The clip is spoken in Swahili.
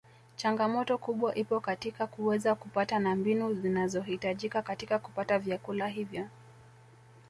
Changamoto kubwa ipo katika kuweza kupata na mbinu zinazohitajika katika kupata vyakula hivyo